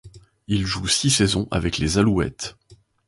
Il joue six saisons avec les Alouettes.